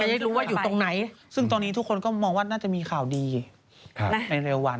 ได้รู้ว่าอยู่ตรงไหนซึ่งตอนนี้ทุกคนก็มองว่าน่าจะมีข่าวดีในเร็ววัน